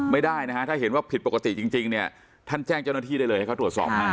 ไม่ได้นะฮะถ้าเห็นว่าผิดปกติจริงเนี่ยท่านแจ้งเจ้าหน้าที่ได้เลยให้เขาตรวจสอบให้